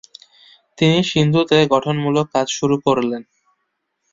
তিনি সিন্ধুতে গঠনমূলক কাজ শুরু করেন।